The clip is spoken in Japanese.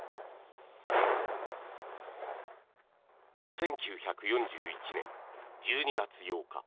１９４１年１２月８日。